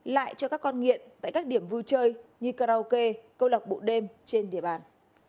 lại cho các con nghiện tại các điểm vui chơi như karaoke câu lọc bụi đêm trên địa bàn